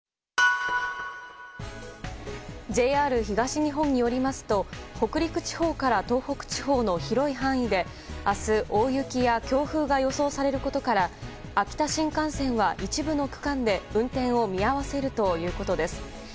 ＪＲ東日本によりますと北陸地方から東北地方の広い範囲で明日大雪や強風が予想されることから秋田新幹線は一部の区間で運転を見合わせるということです。